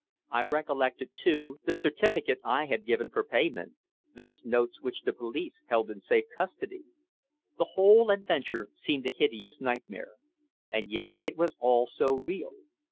I recollected, too, the certificate I had given for payment those notes which the police held in safe custody. The whole adventure seemed a hideous nightmare. And yet it was all so real.